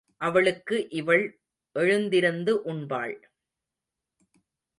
அவளுக்கு இவள் எழுந்திருந்து உண்பாள்.